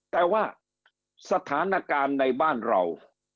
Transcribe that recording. แต่ว่าสถานการณ์ในบ้านเรา